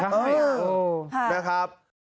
ไม่ได้ไม่ได้